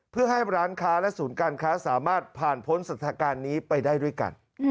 เพื่อให้ร้านค้าและศูนย์การค้าสามารถผ่านพ้นสถานการณ์นี้ไปได้ด้วยกัน